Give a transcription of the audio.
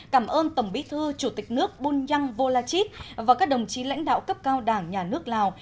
cảm ơn tổng bí thư chủ tịch nước bùn nhăng vô la chít và các đồng chí lãnh đạo cấp cao đảng nhà nước lào